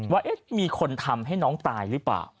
ว่ามีคนทำให้น้องตายหรือเปล่า